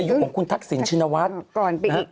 อยู่ของครูทักศิชชินวัฒน์